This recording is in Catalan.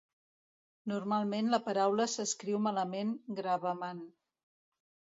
Normalment la paraula s'escriu malament "gravaman".